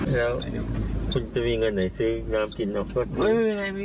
แล้วคุณจะมีเงินไหนซื้อน้ำกินน้ำสด